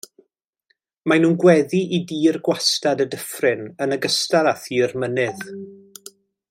Maen nhw'n gweddu i dir gwastad y dyffryn yn ogystal â thir mynydd.